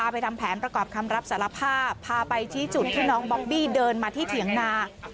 ไปทำแผนประกอบคำรับสารภาพพาไปชี้จุดที่น้องบอบบี้เดินมาที่เถียงนา